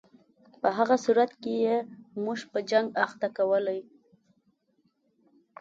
په هغه صورت کې یې موږ په جنګ اخته کولای.